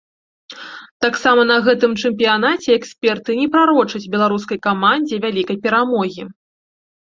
Таксама на гэтым чэмпіянаце эксперты не прарочаць беларускай камандзе вялікай перамогі.